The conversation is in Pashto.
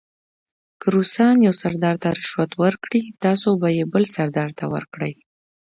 که روسان یو سردار ته رشوت ورکړي تاسې به یې بل سردار ته ورکړئ.